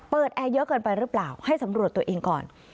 แอร์เยอะเกินไปหรือเปล่าให้สำรวจตัวเองก่อน